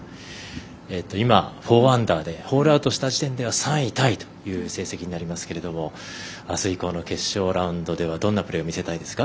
今、４アンダーでホールアウトした時点では３位タイという成績になりますけれどもあす以降の決勝ラウンドではどんなプレーを見せたいですか。